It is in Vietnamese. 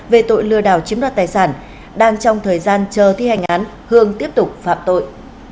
về tội lừa đảo chiếm đoạt tài sản đang trong thời gian chờ thi hành án hương tiếp tục phạm tội